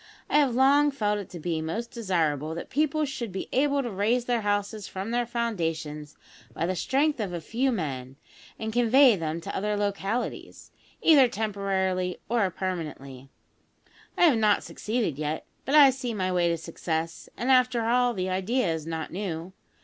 I have long felt it to be most desirable that people should be able to raise their houses from their foundations by the strength of a few men, and convey them to other localities, either temporarily or permanently. I have not succeeded yet, but I see my way to success; and, after all, the idea is not new.